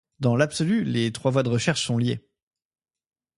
Dans l'absolu, les trois voies de recherche sont liées.